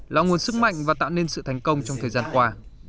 là nguồn sức mạnh và tạo nên sự thành công trong thời gian qua